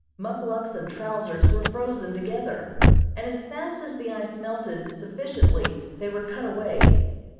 Muckluks and trousers were frozen together, and as fast as the ice melted sufficiently they were cut away.